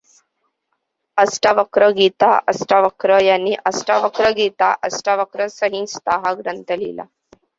अष्टावक्र गीता अष्टावक्र यांनी अष्टावक्र गीता अष्टावक्र संहिता हा ग्रंथ लिहिला.